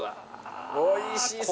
おいしそう。